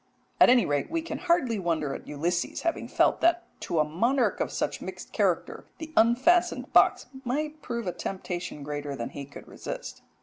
At any rate we can hardly wonder at Ulysses having felt that to a monarch of such mixed character the unfastened box might prove a temptation greater than he could resist.